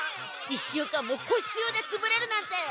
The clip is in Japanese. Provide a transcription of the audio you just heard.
１週間も補習でつぶれるなんて！